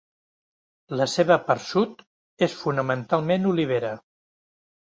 La seva part sud és fonamentalment olivera.